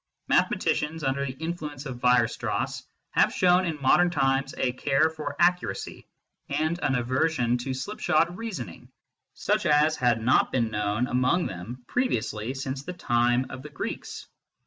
Mathematicians, under the influence of Weierstrass, have shown in modern times a care for accuracy, and an aversion to slipshod reasoning, such as had not been known among them previously since the time of the Greeks.